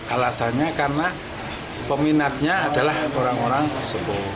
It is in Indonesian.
alasannya karena peminatnya adalah orang orang sepuluh